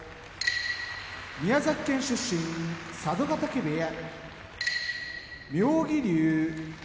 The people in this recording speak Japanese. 宮崎県出身佐渡ヶ嶽部屋妙義龍